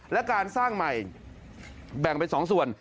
และการสร้างใหม่แบ่งเป็น๒ส่วน